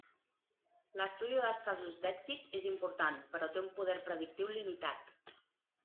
L'estudi dels casos d'èxit és important, però té un poder predictiu limitat.